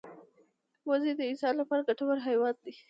وزې د انسان لپاره ګټور حیوان دی